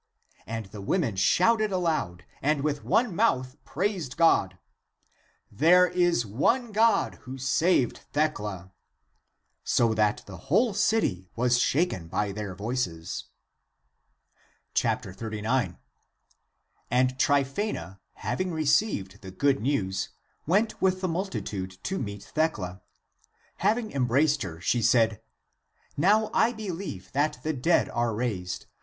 And the women shouted aloud, and with one mouth praised God: " (There is) one God; who saved Thecla" — so that the whole city was shaken by their voices. 39. And Tryphaena having received the good news, went with the multitude to meet Thecla. Having embraced her, she said, " Now I believe that the dead are raised!